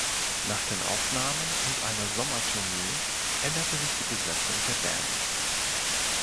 Nach den Aufnahmen und einer Sommertournee änderte sich die Besetzung der Band.